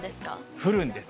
降るんです。